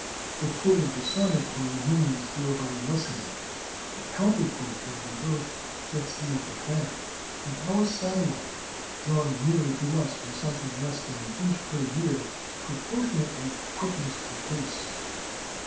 The pull of the sun upon the moon is thereby lessened; the counter pull of the earth gets the upper hand; and our satellite, drawn nearer to us by something less than an inch each year, proportionately quickens her pace.